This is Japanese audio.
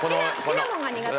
シナモンが苦手？